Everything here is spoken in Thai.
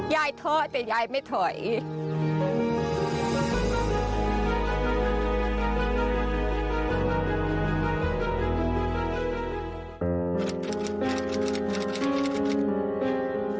ยายเถาแต่ยายไม่เถาอีก